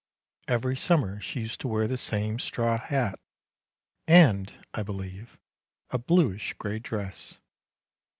Every summer she used to wear the same straw hat and, I believe, a bluish grey dress.